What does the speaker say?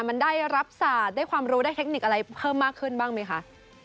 มันได้รับศาสตร์ได้ความรู้ได้เทคนิคอะไรเพิ่มมากขึ้นบ้างไหมคะ